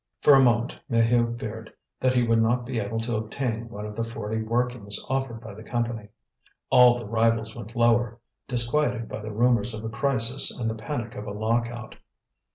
For a moment Maheu feared that he would not be able to obtain one of the forty workings offered by the Company. All the rivals went lower, disquieted by the rumours of a crisis and the panic of a lock out.